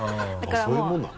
そういうものなの？